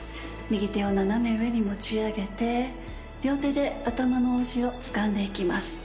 右手を斜め上に持ち上げて両手で頭の後ろつかんでいきます。